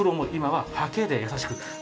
は